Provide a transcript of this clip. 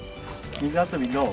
水遊びどう？